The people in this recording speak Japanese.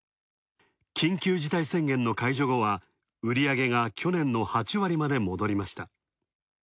緊急事態宣言の解除後は、売り上げが去年の８割まで戻りました。